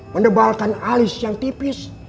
mendebalkan alis yang tipis